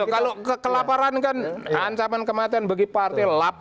kalau kelaparan kan ancaman kematian bagi partai